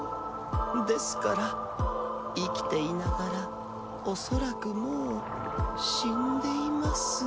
ですから生きていながら恐らくもう死んでいます。